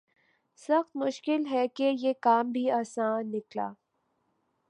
سخت مشکل ہے کہ یہ کام بھی آساں نکلا